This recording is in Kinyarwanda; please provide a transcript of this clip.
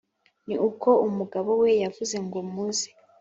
ni uko umugabo we yavuze ngo muze